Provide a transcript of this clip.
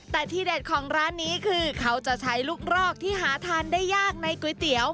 แต่ที่เด็ดของร้านนี้คือเขาจะใช้ลูกรอกที่หาทานได้ยากในก๋วยเตี๋ยว